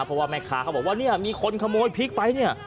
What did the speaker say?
เพราะว่าแม่ค้าเขาบอกว่าเนี่ยมีคนขโมยพริกไปเนี่ย